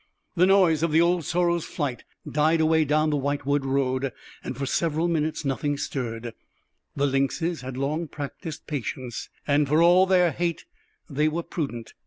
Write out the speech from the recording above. The noise of the old sorrel's flight died away down the white wood road, and for several minutes nothing stirred. The lynxes had long practiced patience, and, for all their hate, they were prudent.